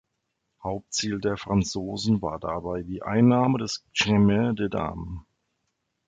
Hauptziel der Franzosen war dabei die Einnahme des Chemin des Dames.